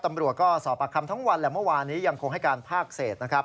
ตำรวจก็สอบปากคำทั้งวันและเมื่อวานนี้ยังคงให้การภาคเศษนะครับ